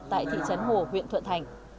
tại thị trấn hồ huyện thuận thành